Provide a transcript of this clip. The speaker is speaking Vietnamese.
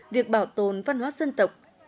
việc bảo tồn văn hoá dân tộc